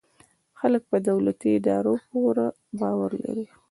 خلک په دولتي ادارو پوره باور لري.